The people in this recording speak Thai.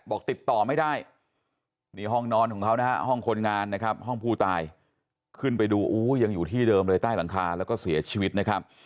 บอกติดต่อไม่ได้นี่ห้องนอนของเขานะฮะ